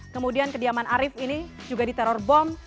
kemudian kediaman arief ini juga diteror bom